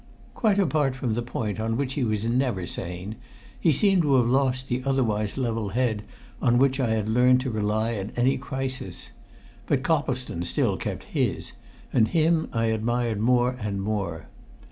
Quite apart from the point on which he was never sane, he seemed to have lost the otherwise level head on which I had learnt to rely at any crisis; but Coplestone still kept his, and him I admired more and more.